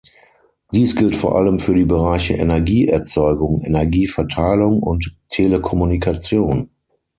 Dies gilt vor allem für die Bereiche Energieerzeugung, Energieverteilung und Telekommunikation.